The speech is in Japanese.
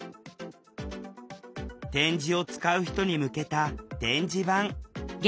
点字を使う人に向けた「点字版」。